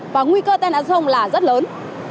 và nguy cơ tên án xông là rất lớn